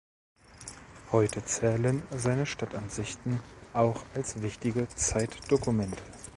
Heute zählen seine Stadtansichten auch als wichtige Zeitdokumente.